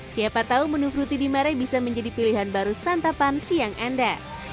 siapa tahu menu fruti di marai bisa menjadi pilihan baru santapan siang anda